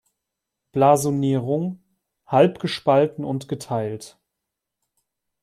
Blasonierung: „Halb gespalten und geteilt.